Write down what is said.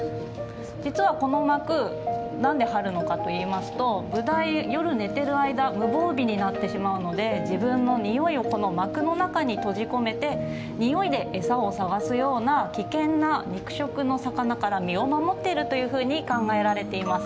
実はこの膜何で張るのかといいますとブダイ夜寝てる間無防備になってしまうので自分のにおいをこの膜の中に閉じ込めてにおいで餌を探すような危険な肉食の魚から身を守っているというふうに考えられています。